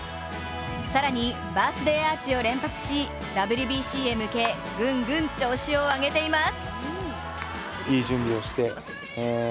更にバースデーアーチを連発しＷＢＣへ向け、ぐんぐん調子を上げています！